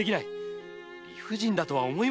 理不尽だとは思いませぬか？